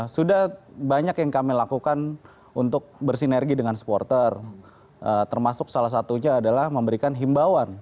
sudah banyak yang kami lakukan untuk bersinergi dengan supporter termasuk salah satunya adalah memberikan himbauan